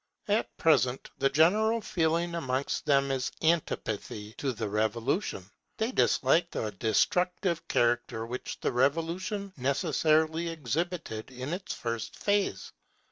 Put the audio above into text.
At present the general feeling amongst them is antipathy to the Revolution. They dislike the destructive character which the Revolution necessarily exhibited in its first phase.